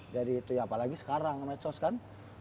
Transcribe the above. jadi itu ya apalagi sekarang medsos kan